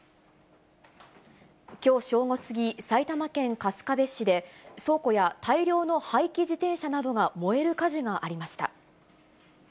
きょう正午過ぎ、埼玉県春日部市で、倉庫や大量の廃棄自転車などが燃える火事がありました。